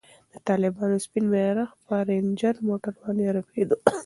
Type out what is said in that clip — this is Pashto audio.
د طالبانو سپین بیرغ پر رنجر موټر باندې رپېده.